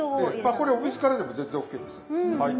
これお水からでも全然ＯＫですはい。